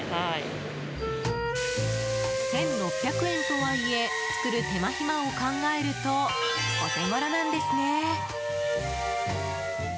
１６００円とはいえ作る手間暇を考えるとお手頃なんですね。